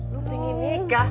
lo pengen nikah